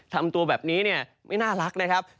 ทำตัวแบบนี้เนี่ยไม่น่ารักนะครับ